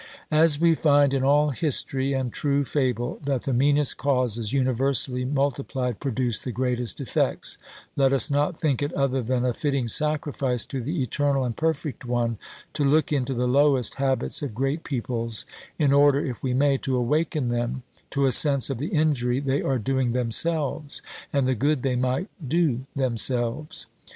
"As we find in all history and true fable that the meanest causes universally multiplied produce the greatest effects, let us not think it other than a fitting sacrifice to the Eternal and Perfect One to look into the lowest habits of great peoples, in order, if we may, to awaken them to a sense of the injury they are doing themselves and the good they might do themselves.